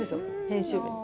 編集部に